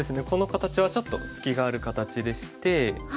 この形はちょっと隙がある形でして。